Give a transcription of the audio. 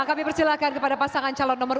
kami persilahkan kepada pasangan calon nomor dua